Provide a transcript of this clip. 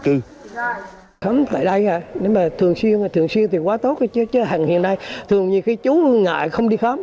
cư khám tại đây hả nếu mà thường xuyên thì quá tốt chứ hiện nay thường nhiều khi chú ngại không